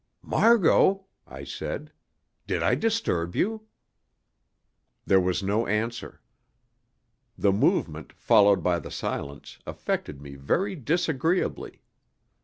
"Margot," I said, "did I disturb you?" There was no answer. The movement, followed by the silence, affected me very disagreeably.